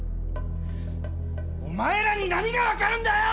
お前らに何がわかるんだよ！